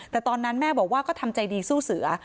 แต่ตอนนั้นแม่บอกว่าก็ทำใจดีสู้เสือ